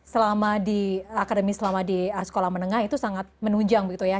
selama di akademi selama di sekolah menengah itu sangat menunjang begitu ya